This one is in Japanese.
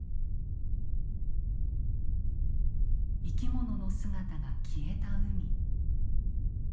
生き物の姿が消えた海。